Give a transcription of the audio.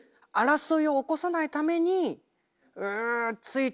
争いを起こさないためにつく？